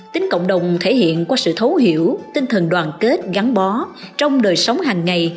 tính cộng đồng thể hiện qua sự thấu hiểu tinh thần đoàn kết gắn bó trong đời sống hàng ngày